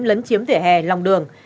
lấn chiếm vỉa hè lòng đường